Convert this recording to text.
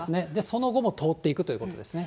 その後も通っていくということですね。